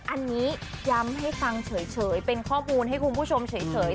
อันนี้ย้ำให้ฟังเฉยเป็นข้อมูลให้คุณผู้ชมเฉย